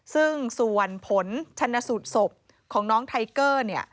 ซึ่งส่วนผลชนสูตรศพของน้องไทเกอร์เนี่ย